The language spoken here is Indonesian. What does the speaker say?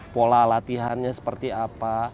pola latihannya seperti apa